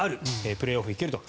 プレーオフに行けると。